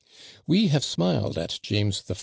We have smiled at James I.